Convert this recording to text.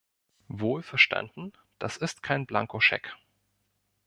Wohlverstanden, das ist kein Blankoscheck.